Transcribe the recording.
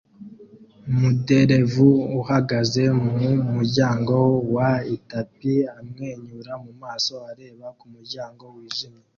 Umuderevu uhagaze mu muryango wa itapi amwenyura mu maso areba ku muryango winjira